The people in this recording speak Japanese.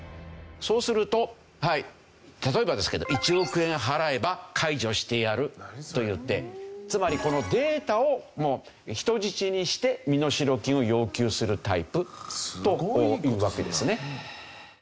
そうすると例えばですけど「１億円払えば解除してやる」といってつまりデータを人質にして身代金を要求するタイプというわけですね。